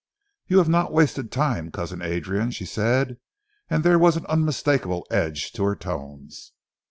"You have not wasted time, Cousin Adrian," she said, and there was an unmistakable edge to her tones.